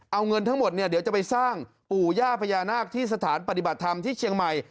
เอาเงินทั้งหมดเนี่ยเดี๋ยวจะไปสร้างปู่ย่าพญานาคที่สถานปฏิบัติธรรมที่เชียงใหม่